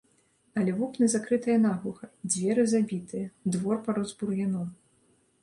Але вокны закрытыя наглуха, дзверы забітыя, двор парос бур'яном.